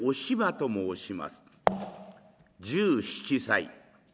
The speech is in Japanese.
１７歳。